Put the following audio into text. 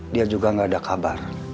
dia juga nggak ada kabar